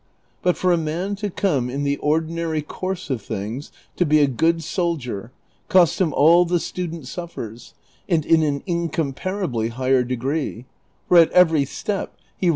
But for a man to come in the ordinary course of things to be a good soldier costs him all the student suffers, and in an in comparably higher degree, for at every step he runs the risk M.